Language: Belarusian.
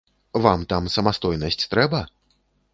Вам там самастойнасць трэба?